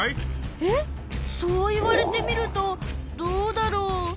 えっそう言われてみるとどうだろう？